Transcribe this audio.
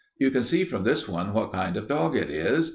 You can see from this one what kind of dog it is.